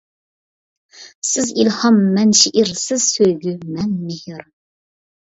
سىز ئىلھام، مەن شېئىر، سىز سۆيگۈ، مەن مېھىر.